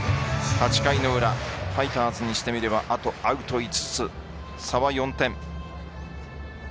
８回の裏ファイターズにしてみればあとアウトは５つ、差は４点です。